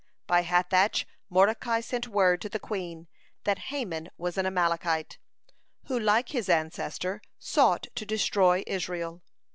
(130) By Hathach Mordecai sent word to the queen, that Haman was an Amalekite, who like his ancestor sought to destroy Israel.